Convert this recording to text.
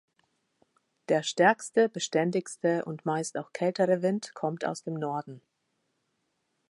Der stärkste, beständigste und meist auch kältere Wind kommt aus dem Norden.